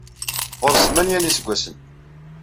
Ɣur-s tmenya n yiseggasen.